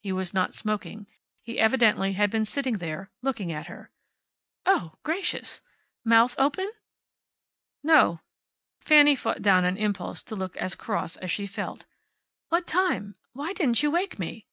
He was not smoking. He evidently had been sitting there, looking at her. "Oh, gracious! Mouth open?" "No." Fanny fought down an impulse to look as cross as she felt. "What time? Why didn't you wake me?"